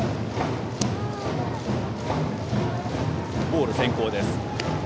ボール先行です。